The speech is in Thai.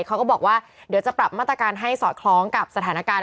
เขาก็บอกว่าเดี๋ยวจะปรับมาตรการให้สอดคล้องกับสถานการณ์